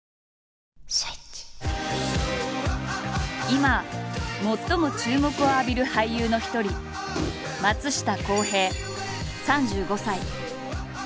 今最も注目を浴びる俳優の一人松下洸平３５歳。